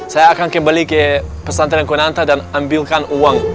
saya akan kembali ke pesantren kuanta dan ambilkan uang